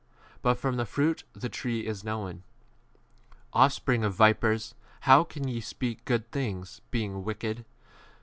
For from the fruit the tree is 34 known. Offspring of vipers 1 how can ye speak good things, being wicked